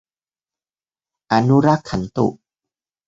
อะนุรักขันตุ